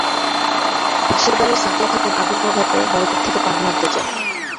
পাশের বাড়ির সাফিয়া খাতুন আগুন নেভাতে নলকূপ থেকে পানি আনতে যান।